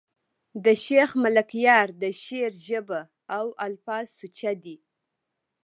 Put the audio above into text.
د شېخ ملکیار د شعر ژبه او الفاظ سوچه دي.